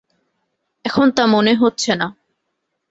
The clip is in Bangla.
এখন তা মনে হচ্ছে না।